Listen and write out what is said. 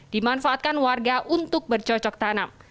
dimanfaatkan warga untuk bercocok tanam